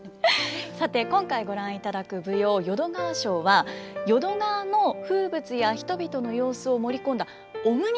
さて今回ご覧いただく舞踊「淀川抄」は淀川の風物や人々の様子を盛り込んだオムニバス形式なんです。